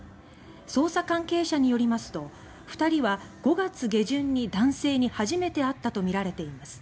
捜査関係者によりますと２人は５月下旬に男性に初めて会ったとみられています。